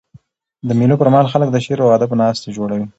د مېلو پر مهال خلک د شعر او ادب ناستي جوړوي.